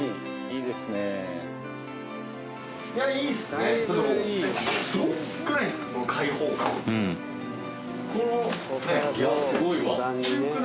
いやすごいわ。